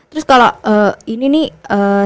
terus kalau ini nih